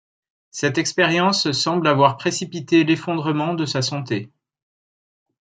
Cette expérience semble avoir précipité l'effondrement de sa santé.